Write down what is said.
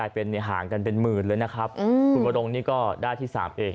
เป็นห่างกันเป็นหมื่นเลยนะครับคุณวรงนี่ก็ได้ที่๓เอง